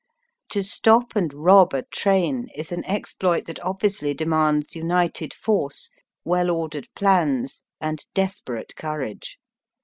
To stop and rob a train, is an exploit that obviously demands united force, well ordered plans, and desperate courage.